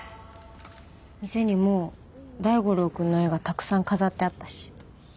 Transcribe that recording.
店にも大五郎くんの絵がたくさん飾ってあったし。